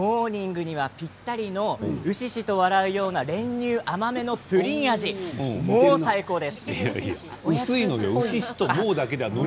こちらはモーニングにはぴったりのうししと笑うような、練乳甘めのプリン味、もう最高です。